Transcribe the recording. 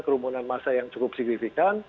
kerumunan masa yang cukup signifikan